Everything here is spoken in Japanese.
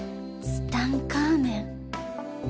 ツタンカーメン。